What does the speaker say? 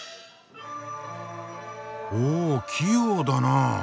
おお器用だなあ。